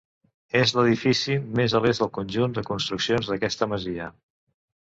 És l'edifici més a l'est del conjunt de construccions d'aquesta masia.